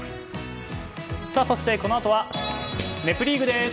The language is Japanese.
そして、このあとは「ネプリーグ」です。